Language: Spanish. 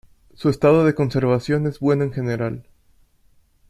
Su estado de conservación es bueno en general.